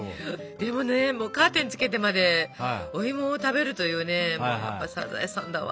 でもねもうカーテンつけてまでおいもを食べるというねもうやっぱサザエさんだわ。